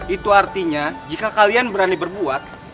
itu artinya jika kalian berani berbuat